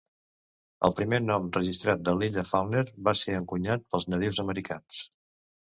El primer nom registrat de l'illa Falkner va ser encunyat pels nadius americans.